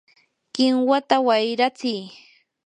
¡kinwata wayratsiy!